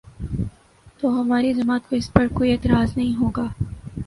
تو ہماری جماعت کو اس پر کوئی اعتراض نہیں ہو گا۔